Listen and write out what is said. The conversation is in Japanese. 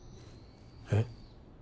えっ！？